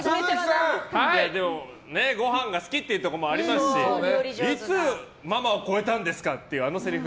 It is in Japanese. ごはんが好きっていうところもありますしいつママを超えたんですかというあのセリフ。